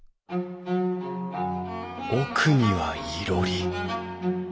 奥にはいろり。